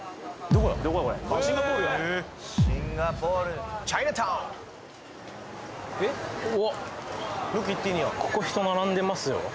ここはここ人並んでますよ